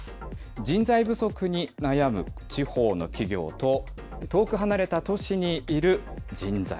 人材不足に悩む地方の企業と、遠く離れた都市にいる人材。